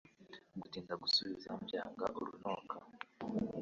Gutinda gusubiza mbyanga urunuka